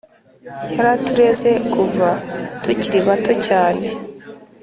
Yaratureze kuva tukiri bato cyane.